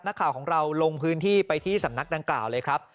นักข่าวของเราลงพื้นที่ไปที่สำนักดังกล่าวเลยครับ